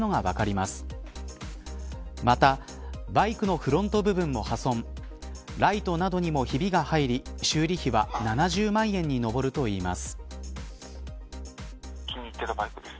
またバイクのフロント部分も破損ライトなどにもひびが入り修理費は７０万円に上るといいます。